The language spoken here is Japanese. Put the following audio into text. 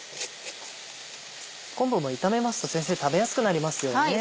昆布も炒めますと先生食べやすくなりますよね。